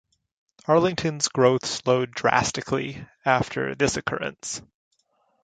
Arlington's growth slowed drastically after this occurrence.